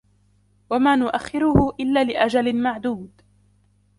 وَمَا نُؤَخِّرُهُ إِلَّا لِأَجَلٍ مَعْدُودٍ